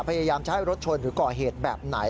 พยายามจะให้รถชนหรือก่อเหตุแบบไหน